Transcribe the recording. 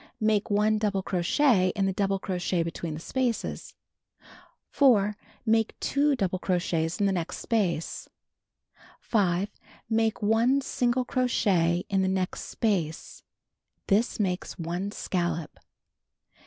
Make 1 double crochet in the double crochet between the spaces. 4. Make 2 double crochets in the next space. 5. Make 1 single crochet in the next space. This makes 1 scallop.